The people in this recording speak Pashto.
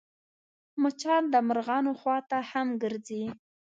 مچان د مرغانو خوا ته هم ګرځي